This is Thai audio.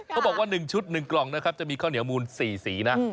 บอกว่า๑ชุด๑กล่องนะครับจะมีข้าวเหนียวมูล๔สีนะ